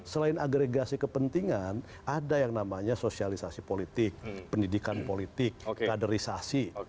selain agregasi kepentingan ada yang namanya sosialisasi politik pendidikan politik kaderisasi